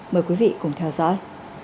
mời quý vị cùng theo dõi